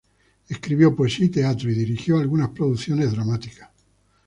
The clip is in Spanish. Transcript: Escribió poesía y teatro, y dirigió algunas producciones dramáticas.